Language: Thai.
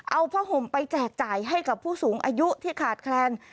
เอาผ้าห่มไปแจกจ่ายให้กับผู้สูงอายุที่ขาดแคลน